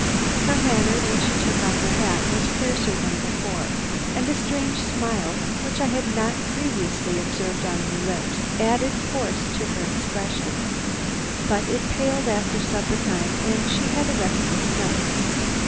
Her manner when she took off her hat was fiercer than before, and a strange smile, which I had not previously observed on her lips, added force to her expression. But it paled after supper time, and she had a restless night.